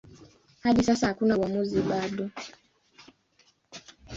Hadi sasa hakuna uamuzi bado.